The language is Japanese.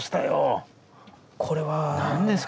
これは。何ですか？